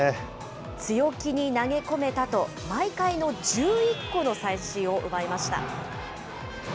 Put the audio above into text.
強気に投げ込めたと、毎回の１１個の三振を奪いました。